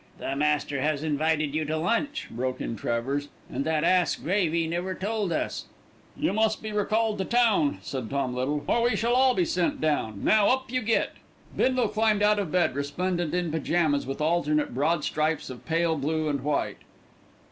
"The Master has invited you to lunch," broke in Travers, "and that ass Gravy never told us." "You must be recalled to town," said Tom Little, "or we shall all be sent down. Now up you get." Bindle climbed out of bed resplendent in pyjamas with alternate broad stripes of pale blue and white.